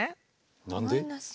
何で？